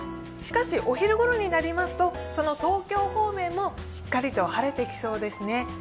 しかしお昼ごろになりますと、その東京方面もしっかりと晴れてきそうですね。